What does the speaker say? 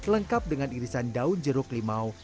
lengkap dengan irisan daun jeruk limau